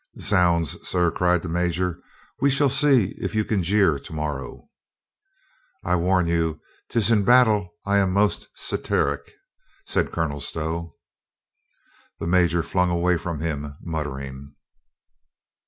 "Zounds, sir," cried the major, "we shall see if you can jeer to morrow." "I warn you, 'tis in battle I am most satiric," said Colonel Stow. The major flung away from him, muttering.